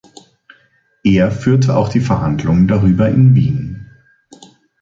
Er führte auch die Verhandlungen darüber in Wien.